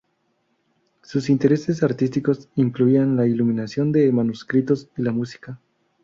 Sus intereses artísticos incluían la iluminación de manuscritos y la música.